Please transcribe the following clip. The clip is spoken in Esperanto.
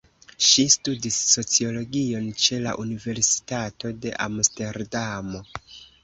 Ŝi studis sociologion ĉe la Universitato de Amsterdamo.